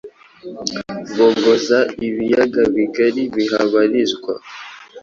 bogoza ibiyaga bigari bihabarizwa,